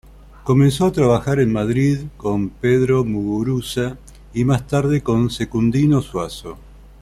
Comenzó a trabajar en Madrid con Pedro Muguruza y más tarde con Secundino Zuazo.